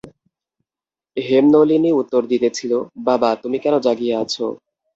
হেমনলিনী উত্তর দিতেছিল, বাবা, তুমি কেন জাগিয়া আছ?